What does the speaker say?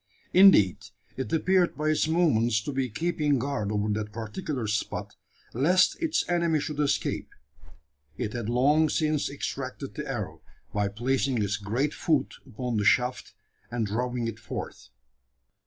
Indeed, it appeared by its movements to be keeping guard over that particular spot, lest its enemy should escape. It had long since extracted the arrow, by placing its great foot upon the shaft, and drawing it forth.